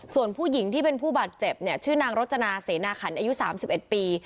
ส่วนผู้หญิงที่เป็นผู้บาดเจ็บเนี่ยชื่อนางรจนาเสนาขันอายุ๓๑ปี